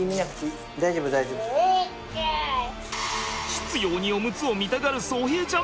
執拗にオムツを見たがる颯平ちゃん。